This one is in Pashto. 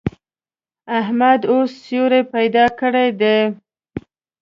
احمد اوس سوری پیدا کړی دی.